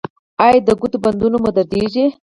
ایا د ګوتو بندونه مو دردیږي؟